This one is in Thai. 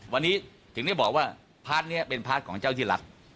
วันนี้ถึงได้บอกว่าพาร์ทนี้เป็นพาร์ทของเจ้าที่รัฐ